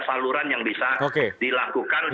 saluran yang bisa dilakukan